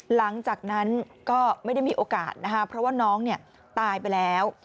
หลังจากนั้นก็ไม่ได้มีโอกาสนะคะเพราะว่าน้องตายไปแล้ว